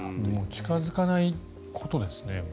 近付かないことですね。